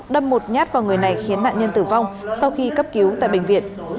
đâm một nhát vào người này khiến nạn nhân tử vong sau khi cấp cứu tại bệnh viện